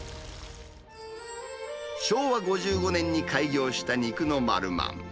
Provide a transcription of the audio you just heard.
昭和５５年に開業した肉のマルマン。